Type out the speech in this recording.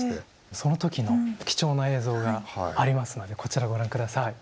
その時の貴重な映像がありますのでこちらをご覧ください。